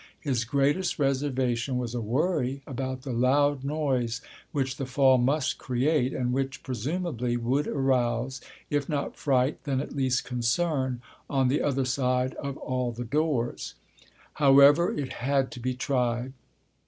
His greatest reservation was a worry about the loud noise which the fall must create and which presumably would arouse, if not fright, then at least concern on the other side of all the doors. However, it had to be tried.